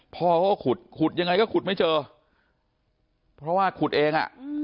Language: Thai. พ่อเขาก็ขุดขุดยังไงก็ขุดไม่เจอเพราะว่าขุดเองอ่ะ